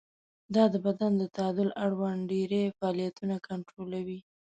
دا د بدن د تعادل اړوند ډېری فعالیتونه کنټرولوي.